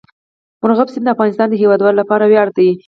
مورغاب سیند د افغانستان د هیوادوالو لپاره ویاړ دی.